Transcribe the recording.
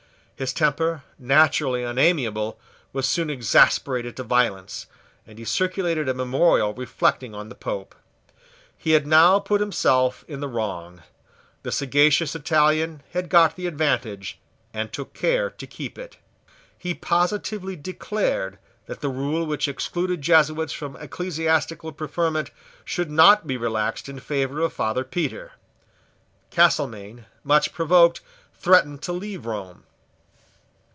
His temper, naturally unamiable, was soon exasperated to violence; and he circulated a memorial reflecting on the Pope. He had now put himself in the wrong. The sagacious Italian had got the advantage, and took care to keep it. He positively declared that the rule which excluded Jesuits from ecclesiastical preferment should not be relaxed in favour of Father Petre. Castelmaine, much provoked, threatened to leave Rome.